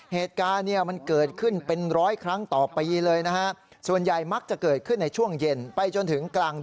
เหตุการณ์เนี่ยมันเกิดขึ้นเป็นร้อยครั้งต่อไปเลยนะฮะ